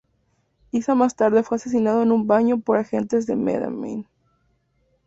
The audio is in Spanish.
İsa más tarde fue asesinado en un baño por agentes de Mehmed.